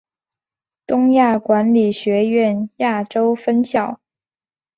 东亚管理学院亚洲分校。